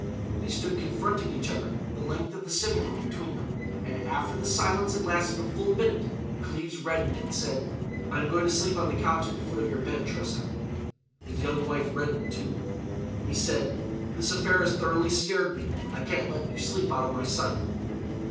They stood confronting each other, the length of the sitting room between them. And after the silence had lasted a full minute Cleves reddened and said: "I am going to sleep on the couch at the foot of your bed, Tressa." His young wife reddened too. He said: "This affair has thoroughly scared me. I can't let you sleep out of my sight."